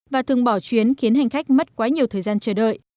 và thường bỏ chuyến khiến hành khách mất quá nhiều thời gian chờ đợi